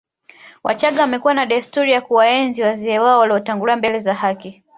Wachaga wamekuwa na desturi ya kuwaenzi wazee wao waliotangulia mbele za haki